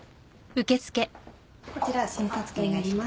こちら診察券になります。